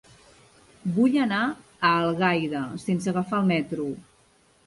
Vull anar a Algaida sense agafar el metro.